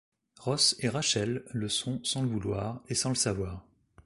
Ross et Rachel le sont sans le vouloir et sans le savoir.